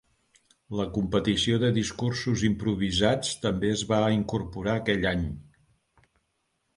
La competició de discursos improvisats també es va incorporar aquell any.